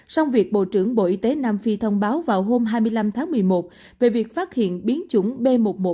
sau việc bộ trưởng bộ y tế nam phi thông báo vào hôm hai mươi năm tháng một mươi một về việc phát hiện biến chủng b một một năm trăm hai mươi chín